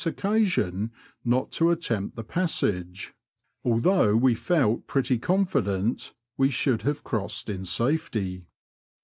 occasion not to attempt the passage^ although we felt pretty confident we should have crossed in safety.